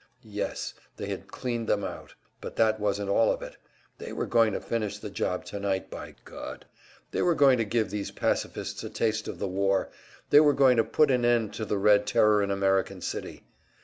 Yes, they had cleaned them out. But that wasn't all of it, they were going to finish the job tonight, by God! They were going to give these pacifists a taste of the war, they were going to put an end to the Red Terror in American City!